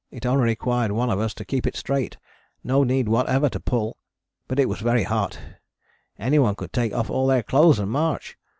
It only required one of us to keep it straight, no need whatever to pull, but it was very hot, anyone could take off all their clothes and march.